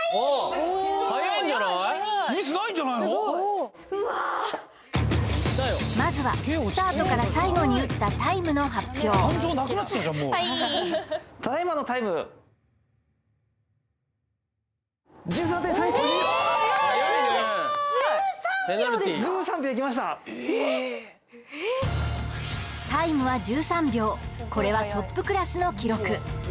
えっタイムは１３秒これはトップクラスの記録